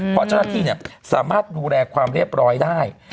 เพราะเจ้าหน้าที่สามารถดูแลความเรียบร้อยได้